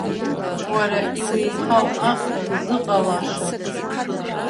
Уара иуеиҳау ахра зыҟалашам.